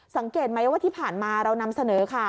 สังเกตไหมว่าที่ผ่านมาเรานำเสนอข่าว